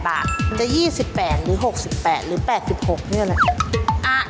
มันจะ๒๘หรือ๖๘หรือ๘๖มีอะไร